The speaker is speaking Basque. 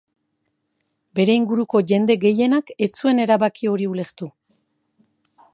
Bere inguruko jende gehienak ez zuen erabaki hori ulertu.